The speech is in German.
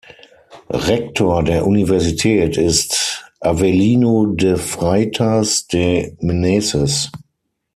Rektor der Universität ist Avelino de Freitas de Meneses.